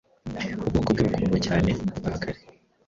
Ubwoko bwe bukundwa cyane gutaha kare